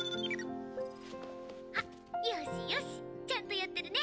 あよしよしちゃんとやってるね。